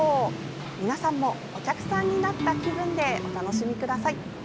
皆さんも、お客さんになった気分でお楽しみください。